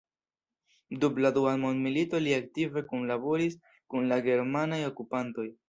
Dum la Dua Mondmilito li aktive kunlaboris kun la germanaj okupantoj.